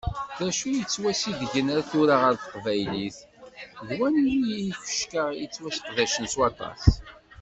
D acu i d-yettwasidgen ar tura ɣer teqbaylit, d wanwi yifecka i yettwasseqdacen s waṭas?